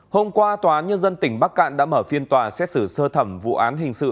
hôm qua tòa nhân dân tỉnh bắc cạn đã mở phiên tòa xét xử sơ thẩm vụ án hình sự